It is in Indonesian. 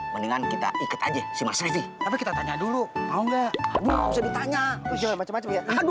mendingan kita ikut aja sih masih kita tanya dulu mau nggak mau